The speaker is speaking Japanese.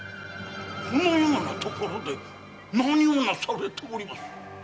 このような所で何をなされております？